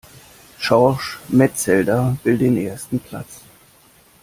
Schorsch Metzelder will den ersten Platz.